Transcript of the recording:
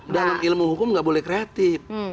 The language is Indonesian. dalam ilmu hukum nggak boleh kreatif